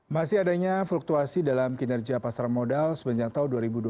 masih adanya fluktuasi dalam kinerja pasar modal sepanjang tahun dua ribu dua puluh